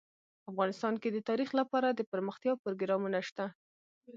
افغانستان کې د تاریخ لپاره دپرمختیا پروګرامونه شته.